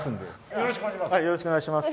よろしくお願いします。